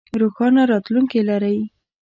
روښانه راتلوونکې لرئ